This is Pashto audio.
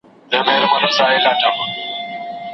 یا دي نه وای شاعر کړی یا دي نه وای بینا کړی